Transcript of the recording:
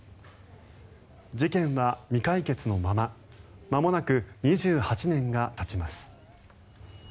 事件は未解決のまままもなく２８年がたちます。